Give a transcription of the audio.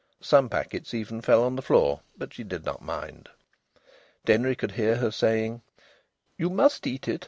Some packets even fell on the floor. But she did not mind. Denry could hear her saying: "You must eat it.